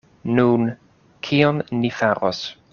Nun, kion ni faros?